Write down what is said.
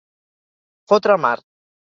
Fotre a mar.